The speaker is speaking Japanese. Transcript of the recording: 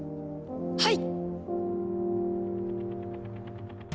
はい！